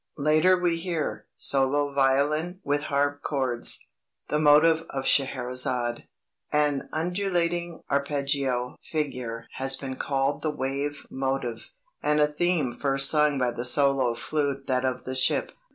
Later we hear (solo violin, with harp chords) the motive of Scheherazade. An undulating arpeggio figure has been called the Wave motive, and a theme first sung by the solo flute that of the Ship.